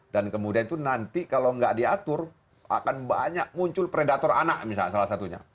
dan kemudian itu nanti kalau nggak diatur akan banyak muncul predator anak misalnya salah satunya